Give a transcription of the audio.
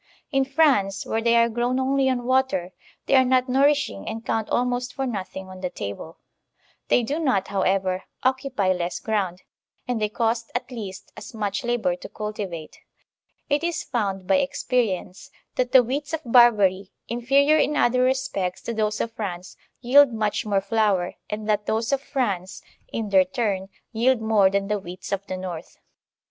In France, where they are grown only on water, they are not nourishing and count almost for nothing on the table; they do not, however, occupy less ground, and they cost at least as much labor to cultivate. It is found by experience that the wheats of Barbary, infetior in other respects to those of France, yield much more flour, and that those of France, in their turn, yield more than the wheats of the north.